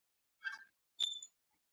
د نایټروجن سائیکل نباتاتو ته نایټروجن رسوي.